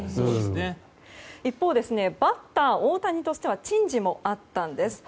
一方バッター大谷としては珍事もあったんです。